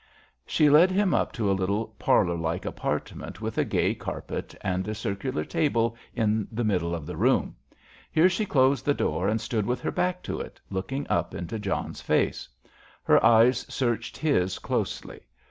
She led him up to a little, parlour like apartment, with a gay carpet, and a circular table in the middle of the room. Here she closed the door and stood with her back to it, looking up into John's face. Her eyes searched his closely.